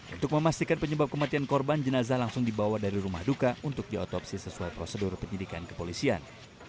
untuk memastikan penyebab kematian korban jenazah langsung dibawa dari rumah duka untuk diotopsi sesuai prosedur penyelidikan kepolisian